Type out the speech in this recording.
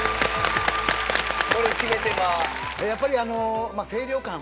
やっぱりあの清涼感。